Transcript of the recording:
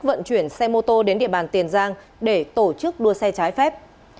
vận chuyển xe mô tô đến địa bàn tiền giang để tổ chức đua xe trái phép